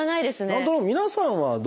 何となく皆さんはどうですかね。